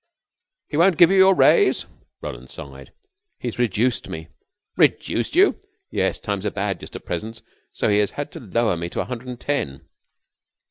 "He won't give you your raise?" Roland sighed. "He's reduced me." "Reduced you!" "Yes. Times are bad just at present, so he has had to lower me to a hundred and ten."